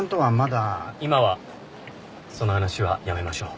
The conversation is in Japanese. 今はその話はやめましょう。